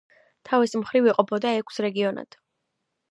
თავის მხრივ იყოფოდა ექვს რეგიონად.